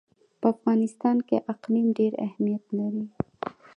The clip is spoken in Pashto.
په افغانستان کې اقلیم ډېر اهمیت لري.